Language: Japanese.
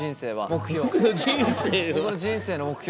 目標。